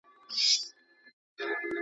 ناوخته کار تل اړین نه دی.